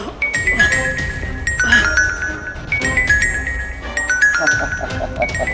tidak ada yang bisa dihukum